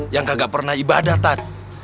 yang kagak pernah ibadatan